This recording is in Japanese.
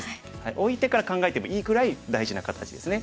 置いてから考えてもいいくらい大事な形ですね。